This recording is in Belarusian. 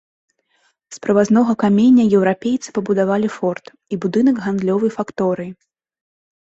З прывазнога каменя еўрапейцы пабудавалі форт і будынак гандлёвай факторыі.